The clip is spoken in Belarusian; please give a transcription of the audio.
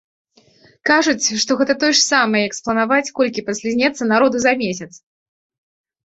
Кажуць, што гэта тое ж самае, як спланаваць, колькі паслізнецца народу за месяц!